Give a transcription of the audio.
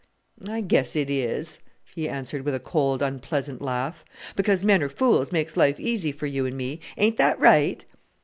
"I guess it is," she answered, with a cold unpleasant laugh. "Because men are fools makes life easy for you and me ain't that right?"